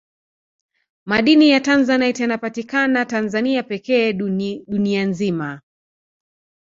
madini ya tanzanite yanapatikana tanzania pekee dunia nzima